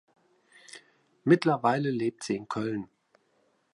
Mittlerweile lebt sie in Köln.